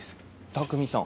拓三さん。